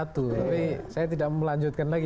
tapi saya tidak melanjutkan lagi